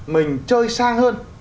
mình chơi sang hơn